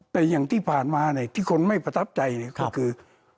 แต่อย่างที่ผ่านมาที่คนไม่ประทับใจก็คือ